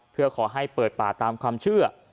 เพื่อขอให้เปิดป่าตามความเชื่อ